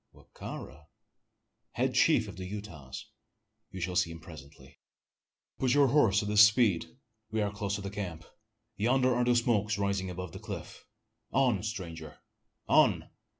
"Wa ka ra?" "Head chief of the Utahs you shall see him presently. Put your horse to his speed! We are close to the camp. Yonder are the smokes rising above the cliff! On stranger! on!"